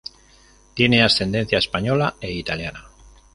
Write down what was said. Tiene ascendencia española e italiana.